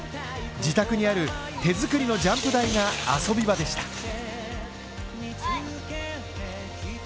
自宅にある手作りのジャンプ台が遊び場でした